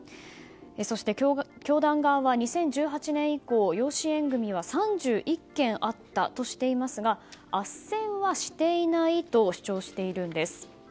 そして教団側は２０１８年以降養子縁組は３１件あったとしていますがあっせんはしていないと主張しているんです。